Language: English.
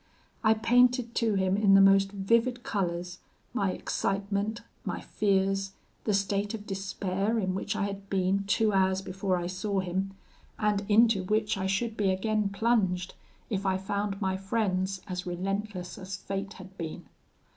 I painted to him in the most vivid colours, my excitement, my fears, the state of despair in which I had been two hours before I saw him, and into which I should be again plunged, if I found my friends as relentless as fate had been.